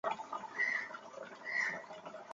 এখন শুধু ঘোষণা দেয়াটা বাকী।